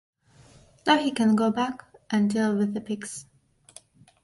Now he can go back and deal with the pigs.